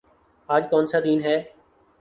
آج کونسا دن ہے؟